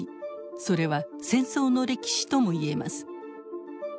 それは戦争の歴史とも言えます。